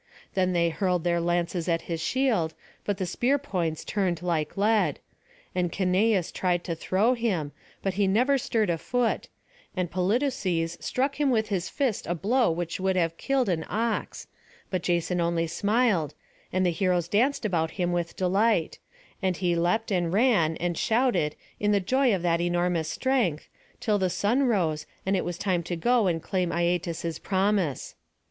Then they hurled their lances at his shield, but the spear points turned like lead; and Caineus tried to throw him, but he never stirred a foot; and Polydeuces struck him with his fist a blow which would have killed an ox; but Jason only smiled, and the heroes danced about him with delight; and he leapt and ran, and shouted, in the joy of that enormous strength, till the sun rose, and it was time to go and to claim Aietes's promise.